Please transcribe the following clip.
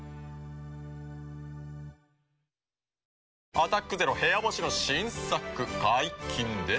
「アタックＺＥＲＯ部屋干し」の新作解禁です。